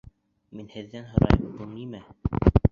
Мин һеҙҙән һорайым: был нимә?